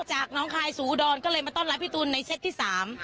จากน้องคายสู่อุดรก็เลยมาต้อนรับพี่ตูนในเซตที่สาม